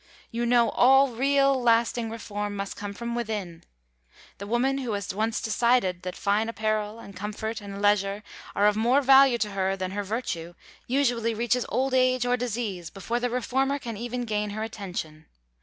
You know all real, lasting reform must come from within. The woman who has once decided that fine apparel, and comfort, and leisure, are of more value to her than her virtue usually reaches old age or disease before the reformer can even gain her attention.